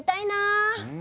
うん。